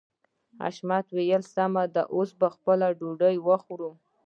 حشمتي وويل سمه ده اوس به خپله ډوډۍ وخورو.